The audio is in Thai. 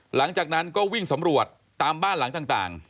หลังจากนั้นก็วิ่งสำรวจตามบ้านหลังต่าง